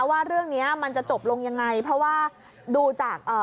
ว่าเรื่องเนี้ยมันจะจบลงยังไงเพราะว่าดูจากเอ่อ